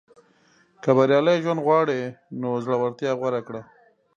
• که بریالی ژوند غواړې، نو زړورتیا غوره کړه.